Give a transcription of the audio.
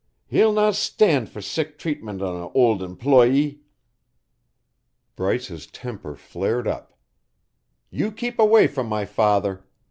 He'll nae stand for sic treatment o' an auld employee." Bryce's temper flared up. "You keep away from my father.